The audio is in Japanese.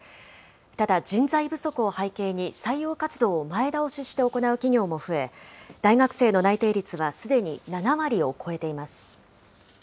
ただ、人材不足を背景に採用活動を前倒しして行う企業も増え、大学生の内定率はすでに７割を超えています。